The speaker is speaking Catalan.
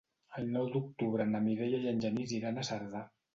El nou d'octubre na Mireia i en Genís iran a Cerdà.